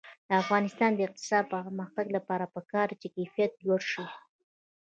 د افغانستان د اقتصادي پرمختګ لپاره پکار ده چې کیفیت لوړ شي.